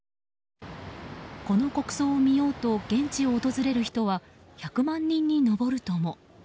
この国葬を見ようと現地を訪れる人は１００万人に上るとも。